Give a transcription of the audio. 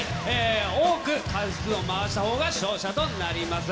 多く回数を回したほうが勝者となります。